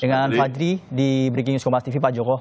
dengan fadli di breaking news rumah tv pak joko